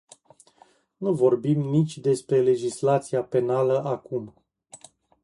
Nu vorbim nici despre legislația penală acum.